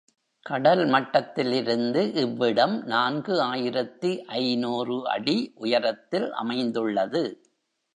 கடல் மட்டத்திலிருந்து இவ்விடம் நான்கு ஆயிரத்து ஐநூறு அடி உயரத்தில் அமைந்துள்ளது.